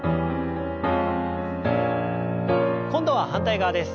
今度は反対側です。